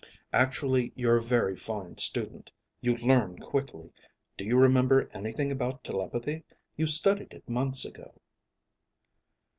"Actually you're a very fine student. You learn quickly. Do you remember anything about telepathy? You studied it months ago."